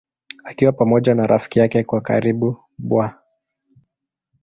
Akiwa pamoja na rafiki yake wa karibu Bw.